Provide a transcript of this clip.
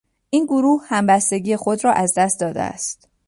این گروه همبستگی خود را از دست داده است.